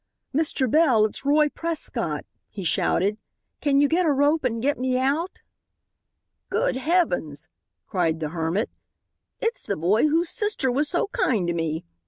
"Mr. Bell, it's Roy Prescott," he shouted; "can you get a rope and get me out?" "Good heavens!" cried the hermit; "it's the boy whose sister was so kind to me.